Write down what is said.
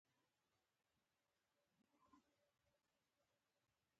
د مشتریانو خدمتونه یی ښه ده؟ هو، مهربانه دي